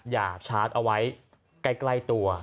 อย่าชาร์จเอาไว้ใกล้ตัว